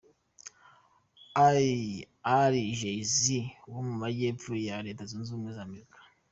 I a ari Jay-Z wo mu majyepfo ya Reta zunze ubumwe za Amerika.